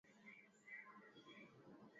na wachambuzi wa mambo wanasema kikao hicho